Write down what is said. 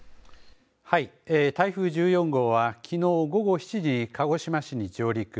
台風１４号はきのう午後７時、鹿児島市に上陸。